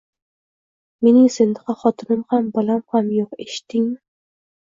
Mening sendaqa xotinim ham, bolam ham yo`q, eshitdingmi